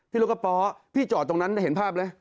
พี่ลูกกระเพาะพี่จอดตรงนั้นเห็นภาพไหม